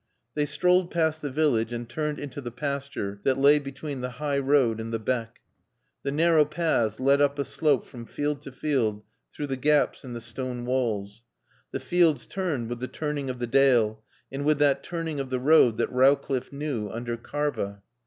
They strolled past the village and turned into the pasture that lay between the high road and the beck. The narrow paths led up a slope from field to field through the gaps in the stone walls. The fields turned with the turning of the dale and with that turning of the road that Rowcliffe knew, under Karva.